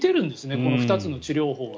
この２つの治療法は。